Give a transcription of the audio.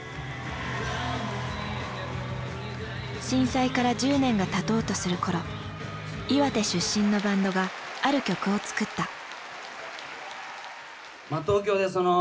震災から１０年がたとうとする頃岩手出身のバンドがある曲を作った。